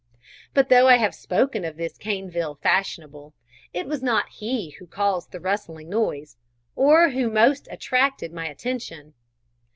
But though I have spoken of this Caneville fashionable, it was not he who caused the rustling noise, or who most attracted my attention.